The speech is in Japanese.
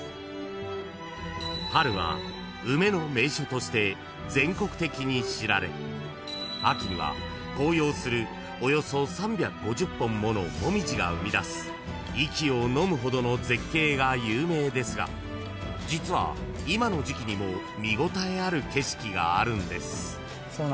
［として全国的に知られ秋には紅葉するおよそ３５０本もの紅葉が生み出す息をのむほどの絶景が有名ですが実は今の時季にも見応えある景色があるんです］